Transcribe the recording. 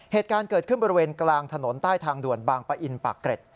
เหตุการณ์เกิดขึ้นบริเวณกลางถนนใต้ทางด่วนบางปะอินปากเกร็ด